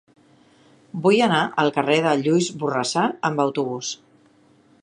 Vull anar al carrer de Lluís Borrassà amb autobús.